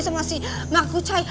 sama si mark kucai